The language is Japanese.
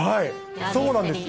そうなんですよ。